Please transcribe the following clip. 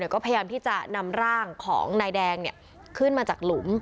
ก็พยายามที่จะนำร่างของนายแดงขึ้นมาจากหลุม